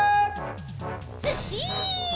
ずっしん！